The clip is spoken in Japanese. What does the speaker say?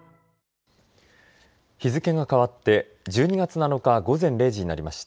日付けが変わって１２月７日午前０時になりました。